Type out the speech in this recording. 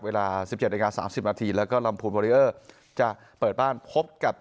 เวลาสิบเจ็ดอันการณ์สามสิบนาทีแล้วก็ลำพูลบัลเรียร์จะเปิดบ้านพบกับ